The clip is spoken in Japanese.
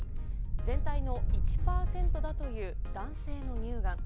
全体の１％だという男性の乳がん。